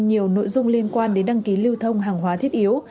nhiều nội dung liên quan đến đăng ký lưu thông hàng hóa thiết yếu